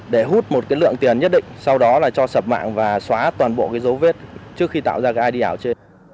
để hút một lượng tiền nhất định sau đó là cho sập mạng và xóa toàn bộ dấu vết trước khi tạo ra id ảo trên